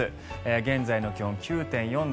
現在の気温９．４度。